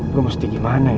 gue mesti gimana ya